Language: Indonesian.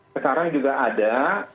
sekarang juga ada